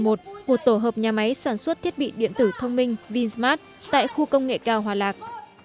một tổ hợp nhà máy sản xuất thiết bị điện tử thông minh vinsmart tại khu công nghệ cao hòa lạc